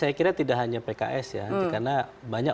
saya kira tidak hanya pks ya karena banyak